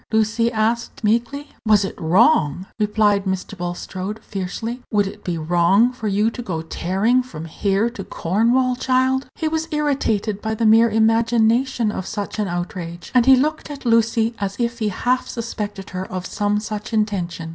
Lucy asked, meekly. "Was it wrong?" repeated Mr. Bulstrode, fiercely. "Would it be wrong for you to go tearing from here to Cornwall, child?" He was irritated by the mere imagination of such an outrage, and he looked at Lucy as if he half suspected her of some such intention.